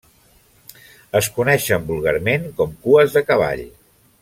Es coneixen vulgarment com Cues de cavall.